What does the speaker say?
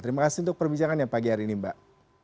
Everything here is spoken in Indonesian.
terima kasih untuk perbincangan yang pagi hari ini mbak